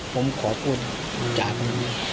ผมขอบคุณจากนี้